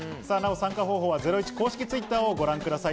参加方法はゼロイチ公式Ｔｗｉｔｔｅｒをご覧ください。